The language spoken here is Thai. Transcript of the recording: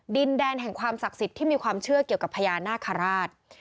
ดินแดนแห่งความศักดิ์สิทธิ์ที่มีความเชื่อเกี่ยวกับพญานาคาราช